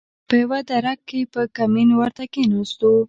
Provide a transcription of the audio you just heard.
په يوه دره کښې په کمين ورته کښېناستو.